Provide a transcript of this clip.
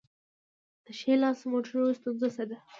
د ښي لاس موټرو ستونزه څه ده؟